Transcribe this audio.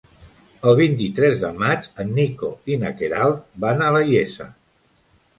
El vint-i-tres de maig en Nico i na Queralt van a la Iessa.